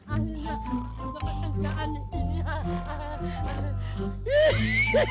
akhirnya aku bisa kerjaan di sini